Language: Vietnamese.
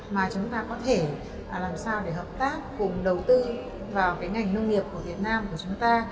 mà chúng ta có thể làm sao để hợp tác cùng đầu tư vào cái ngành nông nghiệp của việt nam của chúng ta